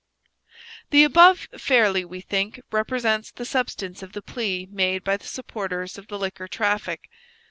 The above fairly, we think, represents the substance of the plea made by the supporters of the liquor traffic.